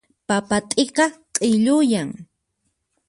Papa t'ika q'illuyan.